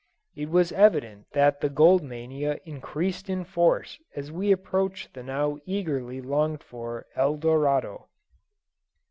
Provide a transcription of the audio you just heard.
It was evident that the gold mania increased in force as we approached the now eagerly longed for El Dorado.